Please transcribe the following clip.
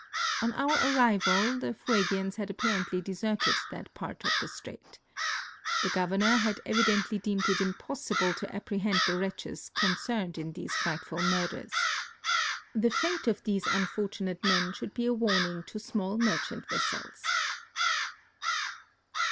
On our arrival the Fuegians had apparently deserted that part of the strait. The governor had evidently deemed it impossible to apprehend the wretches concerned in these frightful murders. The fate of these unfortu nate men should be a warning to small merchant vessels.